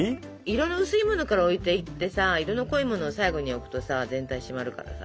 色の薄いものから置いていってさ色の濃いものを最後に置くとさ全体締まるからさ。